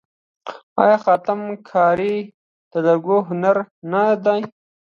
آیا خاتم کاري د لرګیو هنر نه دی؟